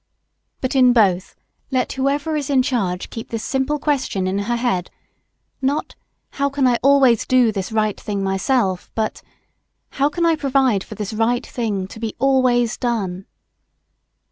But in both, let whoever is in charge keep this simple question in her head (not, how can I always do this right thing myself, but) how can I provide for this right thing to be always done?